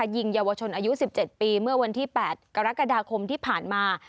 ยิงเยาวชนอายุ๑๗ปีเมื่อวันที่๘กรกฎาคมที่ผ่านมา